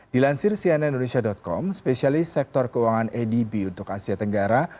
dilansir cnn indonesia com spesialis sektor keuangan adb untuk asia tenggara